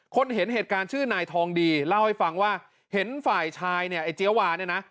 เห็นเหตุการณ์ชื่อนายทองดีเล่าให้ฟังว่าเห็นฝ่ายชายเนี่ยไอ้เจี๊ยวาเนี่ยนะ